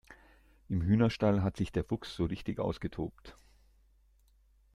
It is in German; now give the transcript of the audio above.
Im Hühnerstall hat sich der Fuchs so richtig ausgetobt.